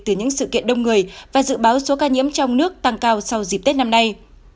từ những sự kiện đông người và dự báo số ca nhiễm trong nước tăng cao sau dịp tết năm nay